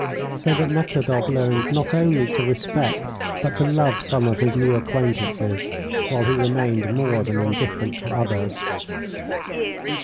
So that Nekhludoff learned not only to respect but to love some of his new acquaintances, while he remained more than indifferent to others.